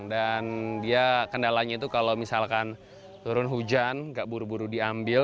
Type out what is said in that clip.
dan dia kendalanya itu kalau misalkan turun hujan gak buru buru diambil